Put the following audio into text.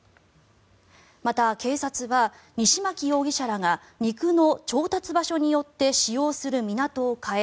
また、警察は西槇容疑者らが肉の調達場所によって使用する港を変え